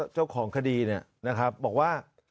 เจ้าของคดีเนี่ยนะครับบอกว่า